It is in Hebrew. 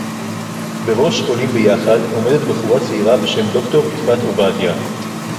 "בראש "עולים ביחד" עומדת בחורה צעירה בשם ד"ר יפעת עובדיה"